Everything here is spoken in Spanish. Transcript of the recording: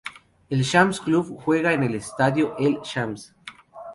El Shams Club juega en el Estadio El-Shams.